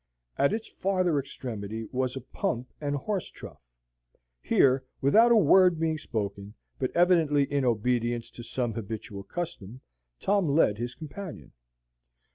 At its farther extremity was a pump and horse trough. Here, without a word being spoken, but evidently in obedience to some habitual custom, Tom led his companion.